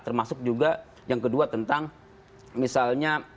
termasuk juga yang kedua tentang misalnya